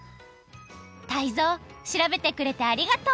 タイゾウしらべてくれてありがとう。